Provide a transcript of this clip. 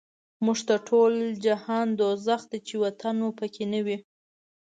موږ ته ټول جهان دوزخ دی، چی وطن مو په کی نه وی